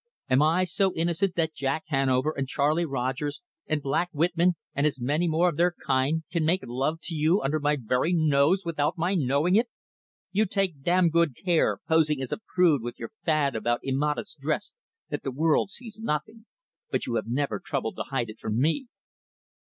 Am I so innocent that Jack Hanover, and Charlie Rodgers, and Black Whitman, and as many more of their kind, can make love to you under my very nose without my knowing it? You take damned good care posing as a prude with your fad about immodest dress that the world sees nothing; but you have never troubled to hide it from me."